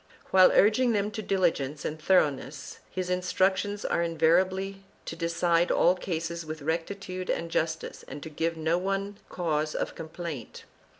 While urging them to diligence and thoroughness, his instructions are invari ably to decide all cases with rectitude and justice and to give no one cause of complaint.